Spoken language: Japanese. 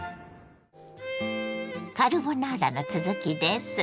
カルボナーラの続きです。